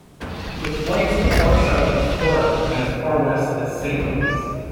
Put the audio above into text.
With flights as far south as Florida, and as far west as Saint Louis.